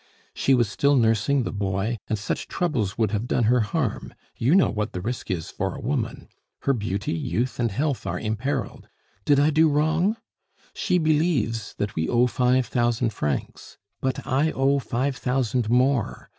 She was still nursing the boy, and such troubles would have done her harm; you know what the risk is for a woman. Her beauty, youth, and health are imperiled. Did I do wrong? She believes that we owe five thousand francs; but I owe five thousand more.